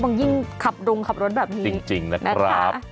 มองยิ่งขับดุงขับรถแบบนี้นะครับค่ะจริงนะครับ